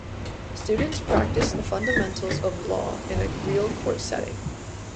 Students practice the fundamentals of law in a real court setting.